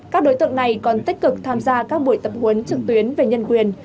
các đối tượng này còn tích cực tham gia các buổi tập huấn trực tuyến về nhân quyền